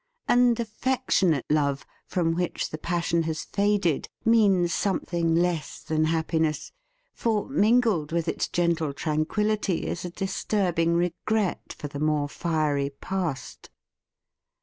And af fectionate love, from which the passion has faded, means something less than happiness, for, mingled with its gentle tranquility is a disturbing regret for the more fiery past.